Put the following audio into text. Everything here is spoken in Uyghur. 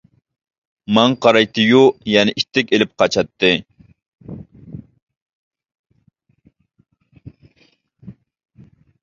ماڭا قارايتتى-يۇ، يەنە ئىتتىك ئېلىپ قاچاتتى.